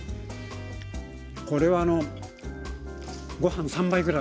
これはごはん３杯ぐらい。